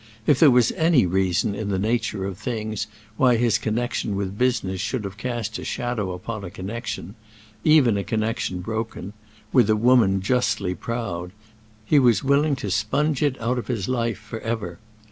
If there was any reason in the nature of things why his connection with business should have cast a shadow upon a connection—even a connection broken—with a woman justly proud, he was willing to sponge it out of his life forever.